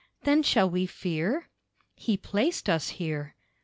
Then shall we fear? He placed us here.